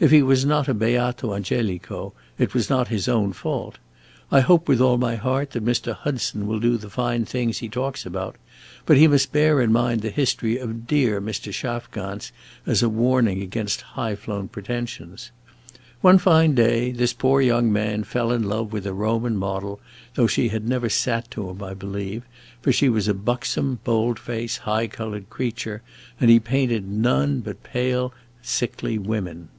If he was not a Beato Angelico, it was not his own fault. I hope with all my heart that Mr. Hudson will do the fine things he talks about, but he must bear in mind the history of dear Mr. Schafgans as a warning against high flown pretensions. One fine day this poor young man fell in love with a Roman model, though she had never sat to him, I believe, for she was a buxom, bold faced, high colored creature, and he painted none but pale, sickly women.